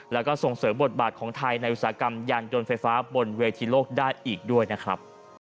แล้วก็ส่งเสริมบทบาทของไทยในอุตสาหกรรมยานยนต์ไฟฟ้าบนเวทีโลกได้อีกด้วยนะครับ